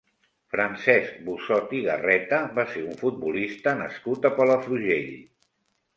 Francesc Bussot i Garreta va ser un futbolista nascut a Palafrugell.